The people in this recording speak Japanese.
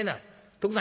徳さん